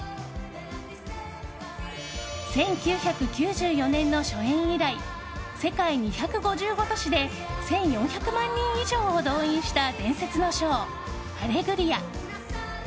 １９９４年の初演以来世界２５５都市で１４００万人以上を動員した伝説のショー「アレグリア」。